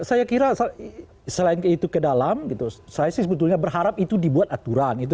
saya kira selain itu ke dalam gitu saya sih sebetulnya berharap itu dibuat aturan